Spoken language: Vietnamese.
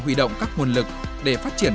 huy động các nguồn lực để phát triển